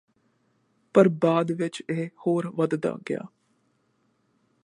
ਪਰ ਬਾਅਦ ਵਿਚ ਇਹ ਹੋਰ ਵੱਧਦਾ ਗਿਆ